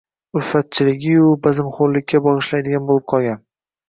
ulfatchilig-u bazmxo‘rlikka bag‘ishlaydigan bo‘lib qolgan